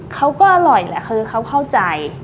เขาก็อร่อยแหละคือเขาเข้าใจ